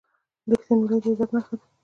• رښتینولي د عزت نښه ده.